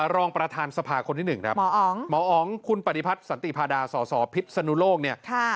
รองประธานสภาคนที่๑หมออ๋อคุณปฏิพัฒน์สันติพาดาสสพิษนุโลก